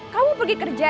kamu mau pergi kerja ya